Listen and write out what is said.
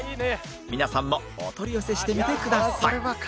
皆さんもお取り寄せしてみてください